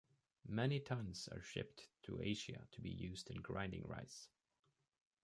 Many tons are shipped to Asia to be used in grinding rice.